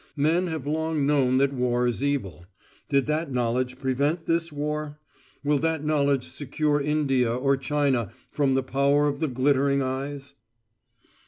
Men have long known that war is evil. Did that knowledge prevent this war? Will that knowledge secure India or China from the power of the glittering eyes?